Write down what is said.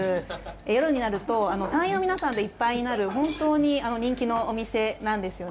夜になると隊員の皆さんでいっぱいになる人気のお店です。